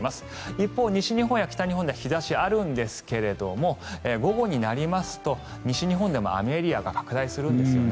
一方、西日本や北日本では日差しがあるんですが午後になりますと西日本でも雨エリアが拡大するんですよね。